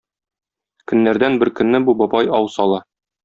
Көннәрдән бер көнне бу бабай ау сала.